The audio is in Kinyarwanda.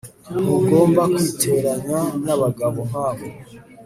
ntugomba kwiteranya nabagabo nkabo